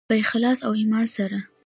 په اخلاص او ایمان سره.